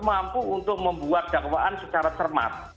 mampu untuk membuat dakwaan secara cermat